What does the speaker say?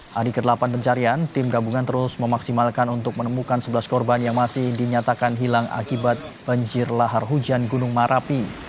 hari ke delapan pencarian tim gabungan terus memaksimalkan untuk menemukan sebelas korban yang masih dinyatakan hilang akibat banjir lahar hujan gunung merapi